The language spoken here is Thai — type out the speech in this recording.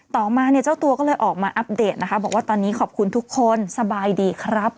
ต่อมาเนี่ยเจ้าตัวก็เลยออกมาอัปเดตนะคะบอกว่าตอนนี้ขอบคุณทุกคนสบายดีครับ